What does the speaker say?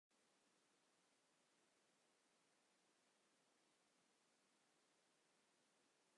كيف رحت لهونيك ؟